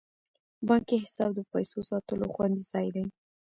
بانکي حساب د پیسو ساتلو خوندي ځای دی.